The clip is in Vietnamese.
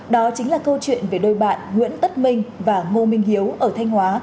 đó chính là câu chuyện về đôi bạn nguyễn tất minh và ngô minh hiếu ở thanh hóa